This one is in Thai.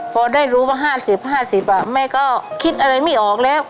พอได้รู้ว่า๕๐๕๐แม่ก็คิดอะไรไม่ออกแล้ว